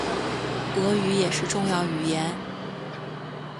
俄语也是重要语言。